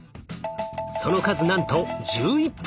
その数なんと１１匹！